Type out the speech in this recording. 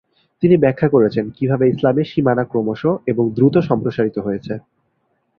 তিনি ব্যাখ্যা করেছেন কীভাবে ইসলামের সীমানা ক্রমশঃ এবং দ্রুত সম্প্রসারিত হয়েছে।